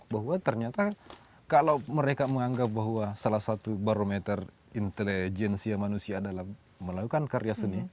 bahwa ternyata kalau mereka menganggap bahwa salah satu barometer intelijensia manusia adalah melakukan karya seni